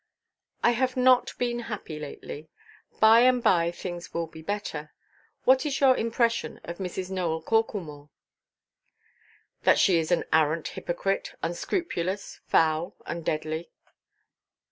"I have not been happy lately. By–and–by things will be better. What is your impression of Mrs. Nowell Corklemore?" "That she is an arrant hypocrite, unscrupulous, foul, and deadly."